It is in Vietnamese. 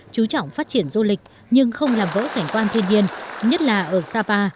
chú trọng phát triển du lịch nhưng không làm vỡ cảnh quan thiên nhiên nhất là ở sapa